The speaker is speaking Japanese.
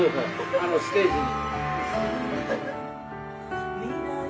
あのステージに。